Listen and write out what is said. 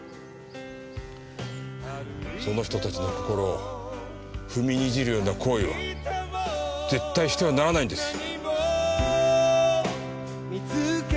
その人たちの心を踏みにじるような行為は絶対してはならないんです。